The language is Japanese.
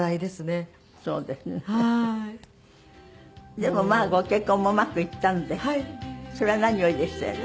でもまあご結婚もうまくいったのでそれは何よりでしたよね。